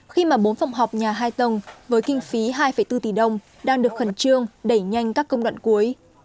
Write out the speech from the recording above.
khi mà bốn phòng học nhà hai tầng với kinh phí hai bốn tỷ đồng đang được khẩn trương đẩy nhanh các công đoạn cuối